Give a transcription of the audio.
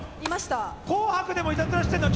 紅白でもいたずらしてるな。